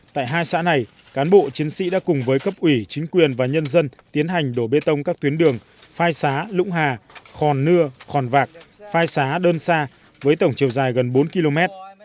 tại hai xã này cán bộ chiến sĩ đã cùng với cấp ủy chính quyền và nhân dân tiến hành đổ bê tông các tuyến đường phai xá lũng hà khòn nưa khòn vạc phai xá đơn xa với tổng chiều dài gần bốn km